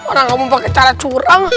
orang kamu pakai cara curang